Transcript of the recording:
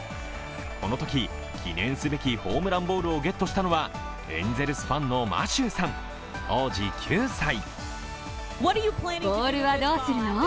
このとき、記念すべきホームランボールをゲットしたのはエンゼルスファンのマシューさん、当時９歳。